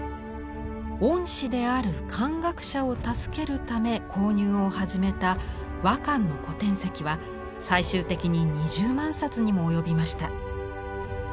恩師である漢学者を助けるため購入を始めた和漢の古典籍は最終的に２０万冊にも及びました。